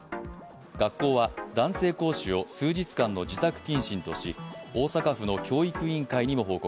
学校は男性講師を数日間の自宅謹慎とし大阪府の教育委員会にも報告。